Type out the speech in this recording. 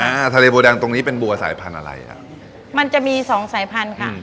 อ่าทะเลบัวแดงตรงนี้เป็นบัวสายพันธุ์อะไรอ่ะมันจะมีสองสายพันธุ์ค่ะ